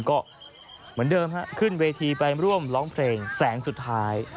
ก็เหมือนเดิมฮะขึ้นเวทีไปร่วมร้องเพลงแสงสุดท้าย